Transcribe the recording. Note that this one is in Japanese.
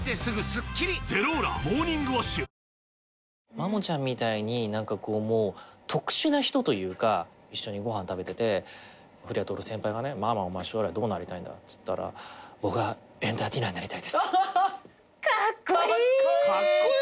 まもちゃんみたいに何かこう特殊な人というか一緒にご飯食べてて古谷徹先輩がねまもお前将来どうなりたいんだっつったら「僕はエンターティナーになりたいです」カッコイイ！